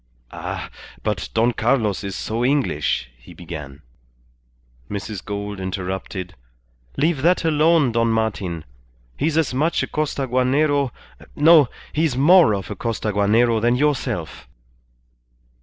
"Ah! But Don Carlos is so English," he began. Mrs. Gould interrupted "Leave that alone, Don Martin. He's as much a Costaguanero No! He's more of a Costaguanero than yourself."